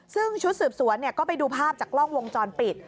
ซึ่งชุดสืบสวนก็ไปดูภาพจากกล้องวงจรปิด